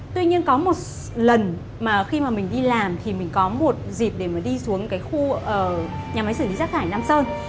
tuy nhiên có một lần mà khi mà mình đi làm thì mình có một dịp để mà đi xuống cái khu nhà máy xử lý rác thải nam sơn